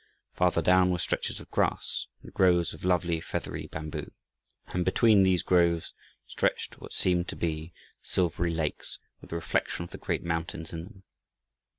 Farther down were stretches of grass and groves of lovely feathery bamboo. And between these groves stretched what seemed to be little silvery lakes, with the reflection of the great mountains in them.